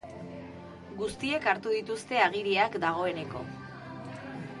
Guztiek hartu dituzte agiriak dagoeneko.